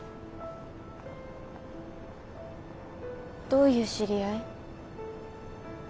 どういう知り合い？